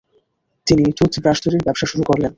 তিনি টুথব্রাশ তৈরির ব্যবসা শুরু করলেন।